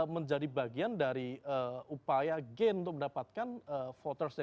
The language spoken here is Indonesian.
menjadi bagian dari upaya gain untuk mendapatkan voters